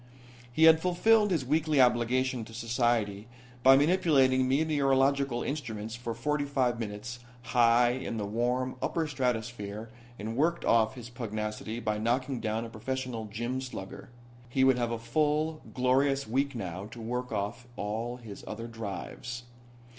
He had fulfilled his weekly obligation to society by manipulating meteorological instruments for forty five minutes, high in the warm, upper stratosphere and worked off his pugnacity by knocking down a professional gym slugger. He would have a full, glorious week now to work off all his other drives.